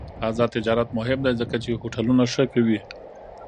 آزاد تجارت مهم دی ځکه چې هوټلونه ښه کوي.